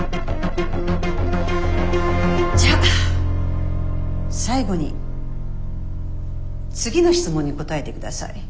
じゃあ最後に次の質問に答えて下さい。